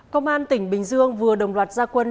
công an tỉnh bình dương vừa đồng loạt gia quân